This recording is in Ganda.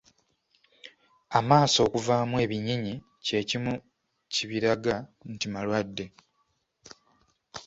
Amaaso okuvaamu ebinyinyi kye kimu kibiraga nti malwadde.